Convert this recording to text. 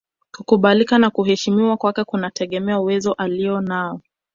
Kukubalika na kuheshimiwa kwake kunategemea uwezo alionao